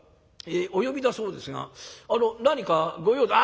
お呼びだそうですが何か御用で？」。